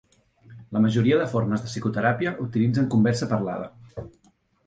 La majoria de formes de psicoteràpia utilitzen conversa parlada.